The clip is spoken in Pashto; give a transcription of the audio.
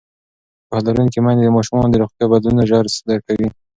پوهه لرونکې میندې د ماشومانو د روغتیا بدلونونه ژر درک کوي.